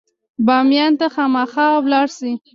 بامیان ته خامخا لاړ شئ.